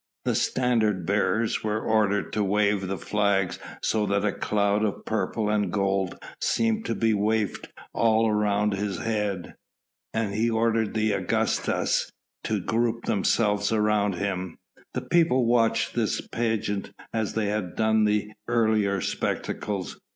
The standard bearers were ordered to wave the flags so that a cloud of purple and gold seemed to be wafted all round his head, and he ordered the Augustas to group themselves around him. The people watched this pageant as they had done the earlier spectacles.